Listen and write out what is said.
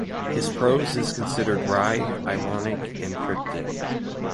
His prose is considered wry, ironic, and cryptic.